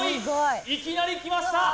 いきなりきました